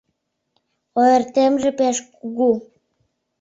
Ойыртемже пеш кугу.